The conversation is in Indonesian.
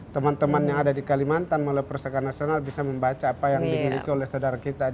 teman teman yang ada di kalimantan melalui persakan nasional bisa membaca apa yang dimiliki oleh saudara kita